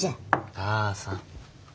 母さん。